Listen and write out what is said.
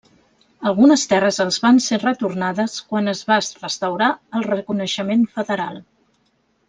Algunes terres els van ser retornades quan es va restaurar el reconeixement federal.